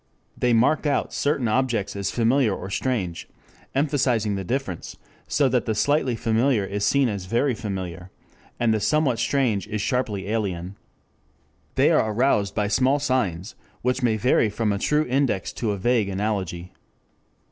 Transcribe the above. They mark out certain objects as familiar or strange, emphasizing the difference, so that the slightly familiar is seen as very familiar, and the somewhat strange as sharply alien. They are aroused by small signs, which may vary from a true index to a vague analogy.